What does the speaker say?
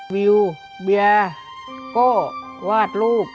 วิวเบียร์ก็วาดรูป